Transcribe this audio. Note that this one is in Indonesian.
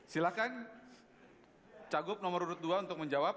silahkan cagup nomor urut dua untuk menjawab